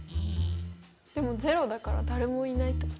でも０だから誰もいないってこと？